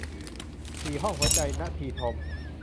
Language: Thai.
สี่ห้องหัวใจ - นทีทม